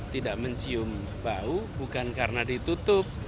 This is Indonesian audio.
tidak mencium bau bukan karena ditutup